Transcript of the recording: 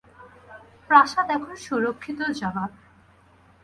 প্রাসাদ এখন সুরক্ষিত, জনাব।